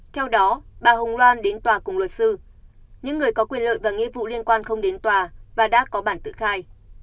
theo đó bà hồng loan đến tòa cùng luật sư những người có quyền lợi và nghĩa vụ liên quan không đến tòa và đã có bản tự khai